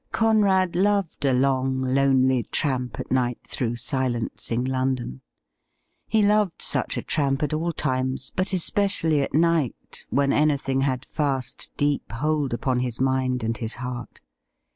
Conrad loved a long, lonely tramp at night through silencing London. He loved such a tramp at all times, but especially at night, when anything had fast, deep hold upon his mind and his heart.